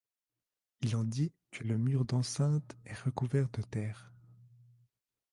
Il en dit que le mur d'enceinte est recouvert de terre.